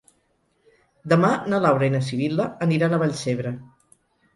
Demà na Laura i na Sibil·la aniran a Vallcebre.